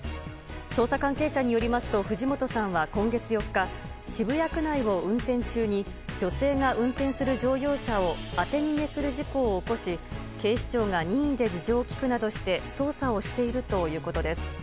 捜査関係者によりますと藤本さんは今月４日渋谷区内を運転中に女性が運転する乗用車を当て逃げする事故を起こし警視庁が任意で事情を聴くなどして捜査をしているということです。